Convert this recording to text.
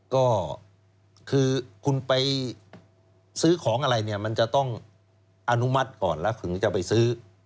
ก็คือคุณไปซื้อของอะไรเนี่ยมันจะต้องอนุมัติก่อนแล้วถึงจะไปซื้อ